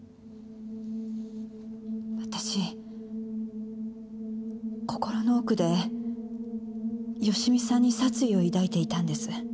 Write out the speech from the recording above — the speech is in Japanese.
私心の奥で芳美さんに殺意を抱いていたんです。